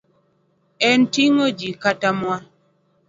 En ting'o ji kata mwa